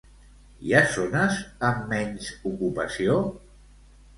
Hi ha zones amb menys ocupació?